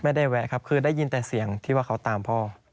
แวะครับคือได้ยินแต่เสียงที่ว่าเขาตามพ่อ